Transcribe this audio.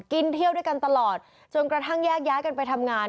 กินเที่ยวด้วยกันตลอดจนกระทั่งแยกย้ายกันไปทำงาน